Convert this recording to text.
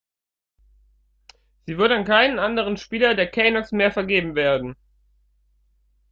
Sie wird an keinen anderen Spieler der Canucks mehr vergeben werden.